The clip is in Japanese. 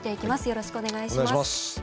よろしくお願いします。